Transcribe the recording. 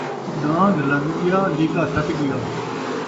نان٘گ لنگھ ڳیا ، لیکا سٹ ڳیا